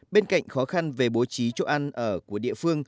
bên cạnh khó khăn về bố trí chỗ ăn ở của địa phương